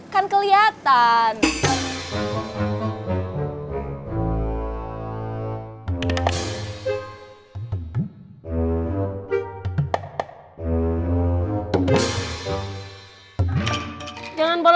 jadi kalau kamu sudah kabur